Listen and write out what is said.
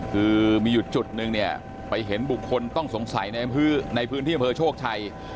คือมีอยู่จุดนึงเนี่ยไปเห็นบุคคลต้องสงสัยในพื้นที่อำเภอโชคชัย